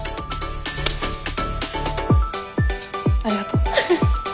ありがとう。